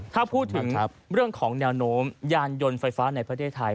ถ้าพูดถึงเรื่องของแนวโน้มยานยนต์ไฟฟ้าในประเทศไทย